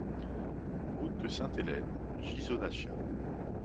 Route de Sainte-Helene, Ghisonaccia